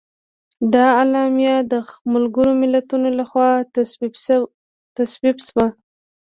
دا اعلامیه د ملګرو ملتونو لخوا تصویب شوه.